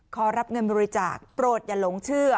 ขอรับเงินบริจาคโปรดอย่าหลงเชื่อ